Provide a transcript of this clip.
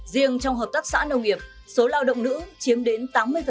riêng trong hợp tác xã nông nghiệp số lao động nữ chiếm đến tám mươi